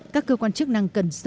các cơ quan chức năng cần sử dụng